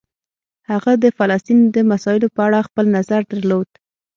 هغه د فلسطین د مسایلو په اړه خپل نظر درلود.